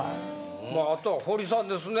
あとは堀さんですね。